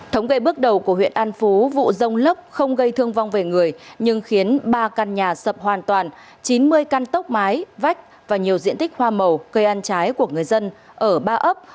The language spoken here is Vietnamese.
thống kê bước đầu của huyện an phú vụ rông lốc không gây thương vong về người nhưng khiến ba căn nhà sập hoàn toàn chín mươi căn tốc mái vách và nhiều diện tích hoa màu cây ăn trái của người dân ở ba ấp